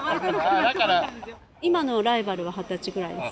今のライバルは二十歳ぐらいです。